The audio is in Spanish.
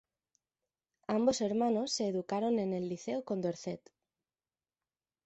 Ambos hermanos se educaron el Liceo Condorcet.